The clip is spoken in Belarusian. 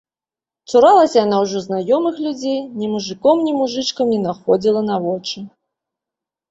Цуралася яна ўжо знаёмых людзей, ні мужыком, ні мужычкам не находзіла на вочы.